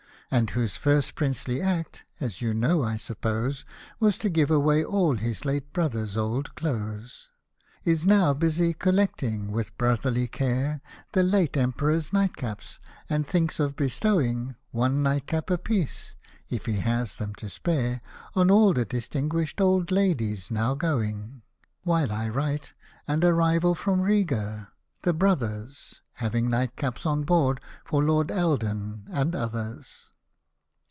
And whose first princely act (as you know, I suppose) Was to give away all his late brother's old clothes — Hosted by Google NEWS FOR COUNTRY COUSINS 203 Is now busy collecting, with brotherly care, The late Emperor's nightcaps, and thinks of be stowing One nightcap apiece (if he has them to spare) On all the distinguished old ladies now going. (While I write, an arrival from Riga — the "Brothers" — Having nightcaps on board for Lord Eldon and others.)